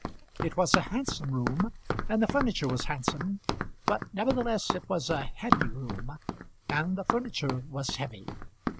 It was a handsome room, and the furniture was handsome; but nevertheless it was a heavy room, and the furniture was heavy.